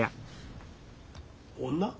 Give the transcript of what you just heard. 女？